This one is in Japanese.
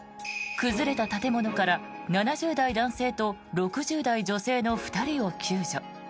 崩れた建物から７０代男性と６０代女性の２人を救助。